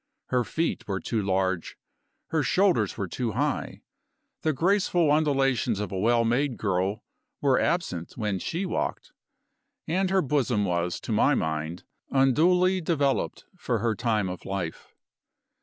Her feet were too large; her shoulders were too high; the graceful undulations of a well made girl were absent when she walked; and her bosom was, to my mind, unduly developed for her time of life.